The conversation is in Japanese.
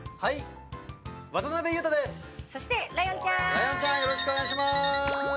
ライオンちゃんよろしくお願いします。